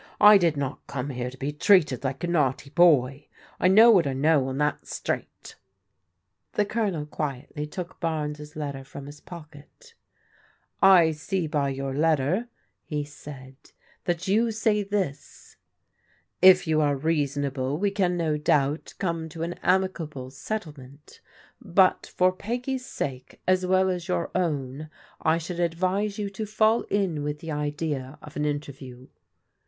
I did not come here to be treated like a naughty boy. I know what I know, and that's straight." jm BARNES TAKES A LICKING 178 The Colonel quietly took Barnes' letter from his pocket " I see by your letter," he saidj^ " that you say this: "* If you are reasonable we can no doubt come to an amicable settlement. But for Peggy's sake, as well as your own, I should advise you to fall in with the idea of an interview.'